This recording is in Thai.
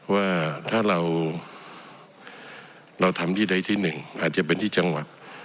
ว่าถ้าเราทำที่ใดที่หนึ่งอาจจะเป็นที่จังหวัด